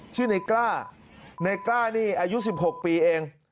ชื่อในกล้าในกล้านี่อายุ๑๖ปีเอง